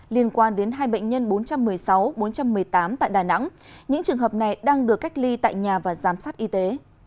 liên quan đến hai bệnh nhân bốn trăm một mươi sáu bốn trăm một mươi tám tại đà nẵng những trường hợp này đang được cách ly tại nhà và giám sát y tế